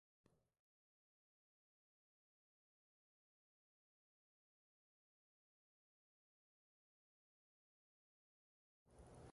Li emeritiĝis en rango subkolonelo.